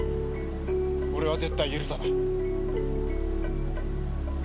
俺は絶対許さない。